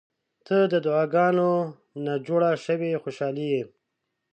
• ته د دعاګانو نه جوړه شوې خوشالي یې.